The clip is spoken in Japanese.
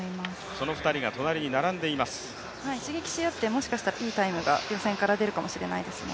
その２人が隣に並んでいます刺激し合って、もしかしたらいいタイムが予選から出るかもしれないですね。